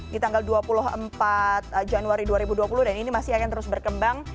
di tanggal dua puluh empat januari dua ribu dua puluh dan ini masih akan terus berkembang